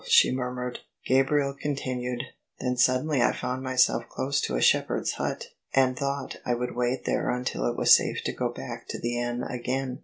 she murmured, Gabriel continued :" Then suddenly I found myself dose to a shepherd's hut, and thought I woidd wait there until it was safe to go back to the inn again.